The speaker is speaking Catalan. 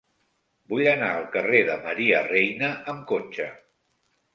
Vull anar al carrer de Maria Reina amb cotxe.